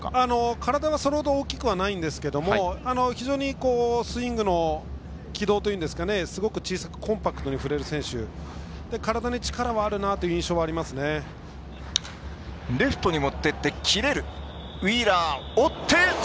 体はそれほど大きくはないんですけど非常にスイングの軌道というんですかね小さくコンパクトに振れる選手体に力があるなという印象がありますね。